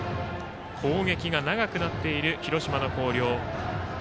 攻撃が長くなっている広島の広陵。